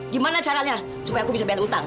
gimana caranya supaya aku bisa bayar utang